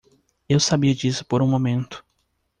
Eu sabia disso por um momento.